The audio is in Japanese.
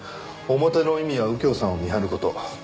表の意味は右京さんを見張る事。